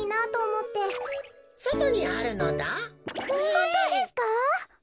ほんとうですか？